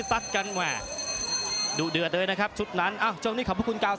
พระยักษ์เดินเข้าหา